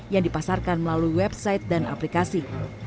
yang dipasarkan melalui website dan aplikasi